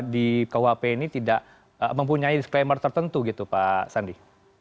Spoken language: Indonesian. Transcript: di kuhp ini tidak mempunyai disclaimer tertentu gitu pak sandi